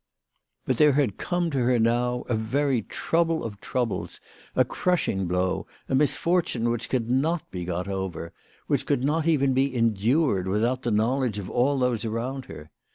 But there had come to her now a very trouble of troubles, a crushing blow, a misfortune which could WHY FRAU FROHaiANX RAISED HER PRICES. 69 not be got over, which, could not even be endured, without the knowledge of all those around her.